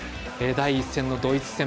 第１戦、ドイツ戦。